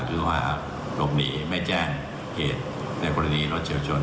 หรือว่าหลบหนีไม่แจ้งเหตุในกรณีรถเฉียวชน